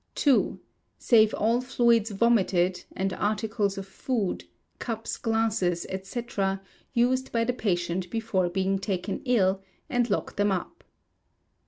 ii. Save all fluids vomited, and articles of food, cups, glasses, &c., used by the patient before being taken ill, and lock them up.